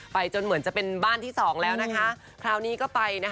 ไปจนเป็นบ้านที่๒เพราะว่าแบบนี้